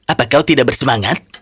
apakah kau tidak bersemangat